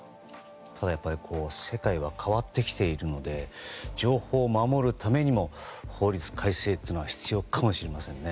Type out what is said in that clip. ただ、やっぱり世界は変わってきているので情報を守るためにも法律改正というのが必要かもしれませんね。